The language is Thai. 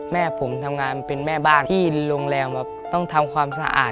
แม่ผมทำงานเป็นแม่บ้านที่โรงแรมแบบต้องทำความสะอาด